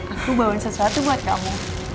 aku bawain sesuatu buat kamu